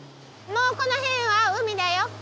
もうこの辺は海だよ